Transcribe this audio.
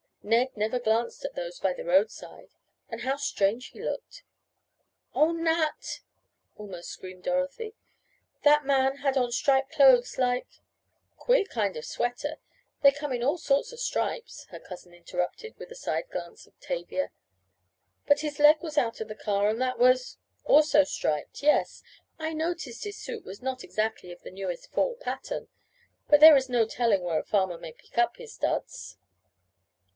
Ned never glanced at those by the roadside. And how strange he looked "Oh, Nat!" almost screamed Dorothy. "That man had on striped clothes like " "Queer kind of sweater. They come in all sorts of stripes," her cousin interrupted, with a side glance at Tavia. "But his leg was out of the car, and that was " "Also striped. Yes, I noticed his suit was not exactly of the newest fall pattern, but there is no telling where a farmer may pick up his duds.